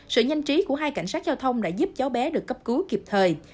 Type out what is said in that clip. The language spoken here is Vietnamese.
sự nhanh trí của hai cảnh sát giao thông đã giúp cháu bé được cấp cứu kịp thời